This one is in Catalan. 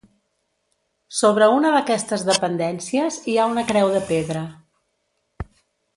Sobre una d'aquestes dependències hi ha una creu de pedra.